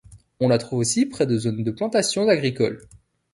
On la trouve aussi près de zones de plantations agricoles.